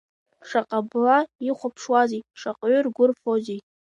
Шаҟа бла ихәаԥшуазеи, шаҟаҩы ргәы рфозеи…